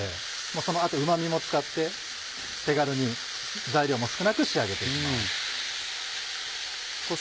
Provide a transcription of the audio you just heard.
その後うま味も使って手軽に材料も少なく仕上げていきます。